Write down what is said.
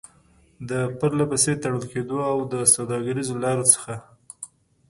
د پرلپسې تړل کېدو او د سوداګريزو لارو څخه